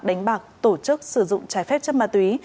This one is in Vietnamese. đánh bạc tổ chức sử dụng trái phép chất ma túy